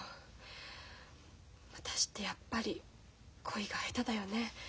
私ってやっぱり恋が下手だよね。